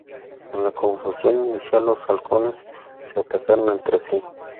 En la confusión inicial, los "Halcones" se atacaron entre sí.